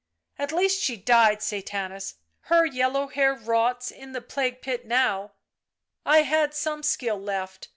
" At least she died, Sathanas, her yellow hair rots in the plague pit now; I had some skill left.